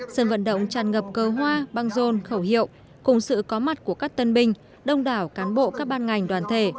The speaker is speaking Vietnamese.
sân vận động tràn ngập cơ hoa băng rôn khẩu hiệu cùng sự có mặt của các tân binh đông đảo cán bộ các ban ngành đoàn thể